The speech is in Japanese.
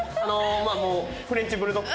フレンチブルドッグ？